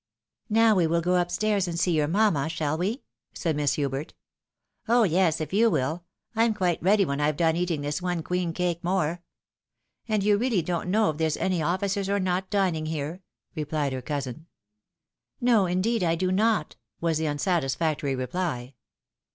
" Now we will go up stairs, and see your mamma, shall we ?" said Miss Hubert. " Oh, yes! if you will — I'm quite ready when I've done eating this one queen cake more. And you really don't know if there's any officers or not dining here? " replied her cousin. " No, indeed, I do not," was the unsatisfactory reply.